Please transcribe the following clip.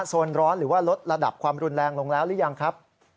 โซนร้อนหรือว่าลดระดับความรุนแรงลงแล้วหรือยังครับ